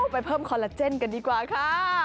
ไปเพิ่มคอลลาเจนกันดีกว่าค่ะ